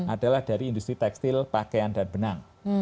adalah dari industri tekstil pakaian dan benang